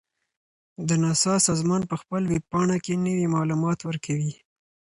د ناسا سازمان په خپل ویب پاڼه کې نوي معلومات ورکوي.